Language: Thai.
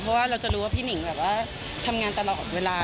เพราะว่าเราจะรู้ว่าพี่หนิงแบบว่าทำงานตลอดเวลา